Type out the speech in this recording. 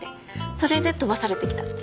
それで飛ばされてきたって。